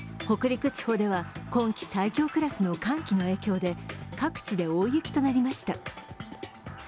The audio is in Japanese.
北陸地方では、今季最強クラスの寒気の影響で各地で大雪となりました。